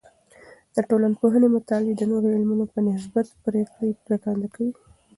د ټولنپوهنې مطالعې د نورو علمونو په نسبت ډیر پریکنده دی.